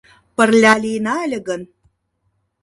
Пырля лийына ыле гын